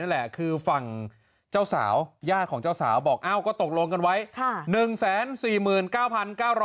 นี่แหละคือฝังเจ้าสาวญ่านของเจ้าเอาบอกเอาก็ตกลงกันไว้ค่ะ๑๔๙๙๙๙